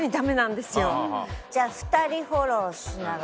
じゃあ２人フォローしながら。